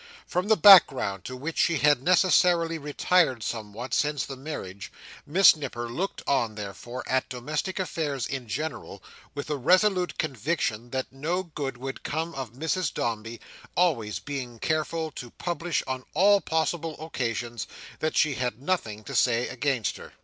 From the background to which she had necessarily retired somewhat, since the marriage, Miss Nipper looked on, therefore, at domestic affairs in general, with a resolute conviction that no good would come of Mrs Dombey: always being very careful to publish on all possible occasions, that she had nothing to say against her.